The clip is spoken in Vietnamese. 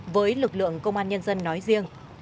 với lực lượng công an nhân dân nói riêng